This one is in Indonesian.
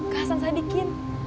ke hasan sadikin